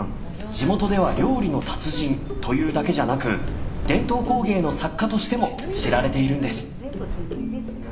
地元では料理の達人というだけじゃなく伝統工芸の作家としても知られているんです。